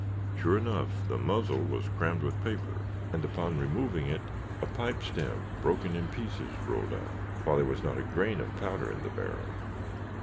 Sure enough the muzzle was crammed with paper, and upon removing it, a pipestem, broken in pieces, rolled out, while there was not a grain of powder in the barrel.